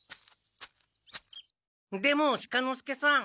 出茂鹿之介さん。